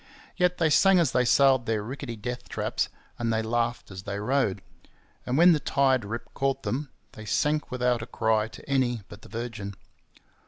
Yet they sang as they sailed their rickety death traps, and they laughed as they rowed; and when the tide rip caught them, they sank without a cry to any but the Virgin.